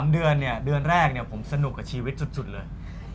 ๓เดือนเนี่ยเดือนแรกเนี่ยผมสนุกกับชีวิตสุดเลย